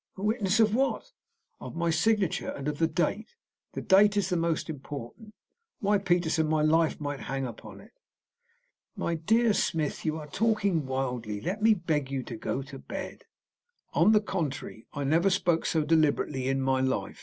"A witness? Of what?" "Of my signature, and of the date. The date is the most important. Why, Peterson, my life might hang upon it." "My dear Smith, you are talking wildly. Let me beg you to go to bed." "On the contrary, I never spoke so deliberately in my life.